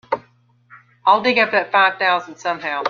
I'll dig up that five thousand somehow.